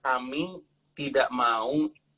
kami tidak mau